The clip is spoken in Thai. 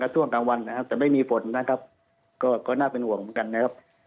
แต่ไม่มีฝนนะครับก็น่าเป็นห่วงเหมือนกันนะครับ